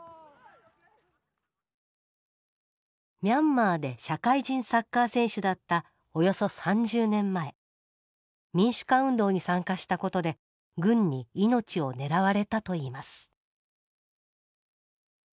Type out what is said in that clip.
ミャンマーで社会人サッカー選手だったおよそ３０年前民主化運動に参加したことで軍に命を狙われたといいます。